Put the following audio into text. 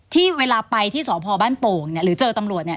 ที่เวลาไปที่สพบ้านโป่งหรือเจอตำรวจเนี่ย